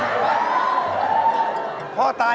มีความรู้สึกว่า